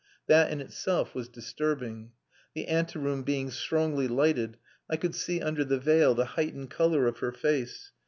That in itself was disturbing. The ante room being strongly lighted, I could see under the veil the heightened colour of her face.